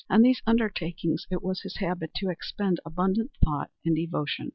On these undertakings it was his habit to expend abundant thought and devotion.